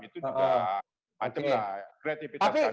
itu juga macam lah kreatifitasnya